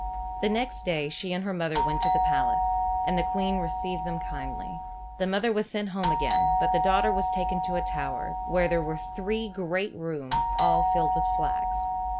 The next day she and her mother went to the palace, and the Queen received them kindly. The mother was sent home again, but the daughter was taken to a tower where there were three great rooms all filled with flax.